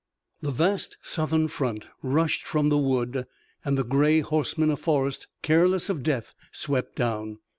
The vast Southern front rushed from the wood, and the gray horsemen of Forrest, careless of death, swept down.